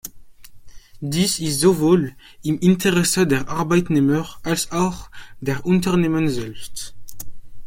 Dies ist sowohl im Interesse der Arbeitnehmer als auch der Unternehmen selbst.